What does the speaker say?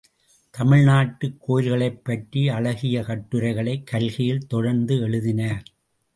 தமிழ்நாட்டுக் கோயில்களைப் பற்றி அழகிய கட்டுரைகளை கல்கியில் தொடர்ந்து எழுதினார்.